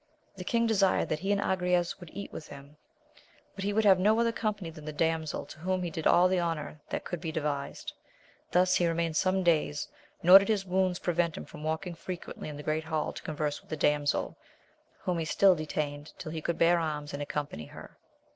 The king desired that he and Agrayes would eat with him, but he would have no other company than the damsel, to whom he did all the honour that could be devised. Thus he remained some days, nor did his wounds pre vent him from walking frequently in the great hall to converse with the damsel, whom he still detained till ^ he could bear arms and accompany her.